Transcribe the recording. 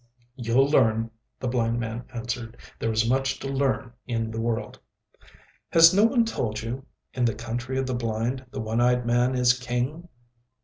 "You'll learn," the blind man answered. "There is much to learn in the world." "Has no one told you, 'In the Country of the Blind the One Eyed Man is King?